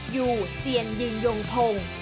อยู่เจียนยิงยงพง